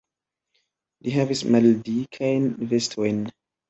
Li havis maldikajn vestojn.